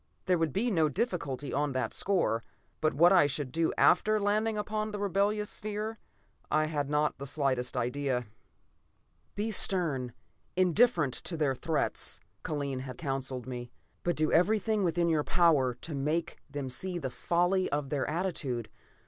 There would be no difficulty on that score. But what I should do after landing upon the rebellious sphere, I had not the slightest idea. "Be stern, indifferent to their threats," Kellen, had counseled me, "but do everything within your power to make them see the folly of their attitude.